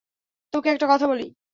তোকে একটা কথা বলি।